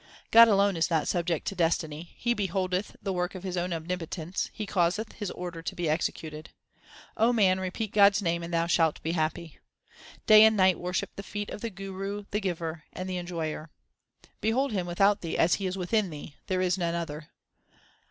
God alone is not subject to destiny ; He beholdeth the work of His own omnipotence ; He causeth His order to be executed. man, repeat God s name and thou shalt be happy ; Day and night worship the feet of the Guru the Giver and the Enjoyer. Behold Him without thee as He is within thee ; there is none other.